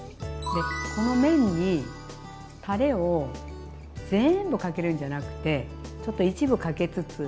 この麺にたれを全部かけるんじゃなくてちょっと一部かけつつ。